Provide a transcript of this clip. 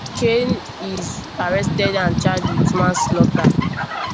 Cain is arrested and charged with manslaughter.